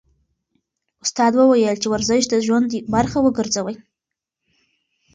استاد وویل چې ورزش د ژوند برخه وګرځوئ.